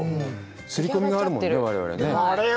すり込みがあるもんね、我々。